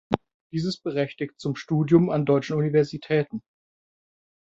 Dieses berechtigt zum Studium an deutschen Universitäten.